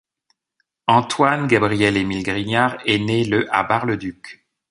Antoine Gabriel Émile Grignard est né le à Bar-le-Duc.